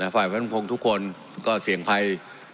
ฝ่ายบนพระองค์ทุกคนก็เสี่ยงพัง